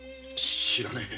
知らねえ！